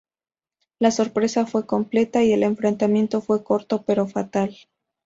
La sorpresa fue completa y el enfrentamiento fue corto pero fatal.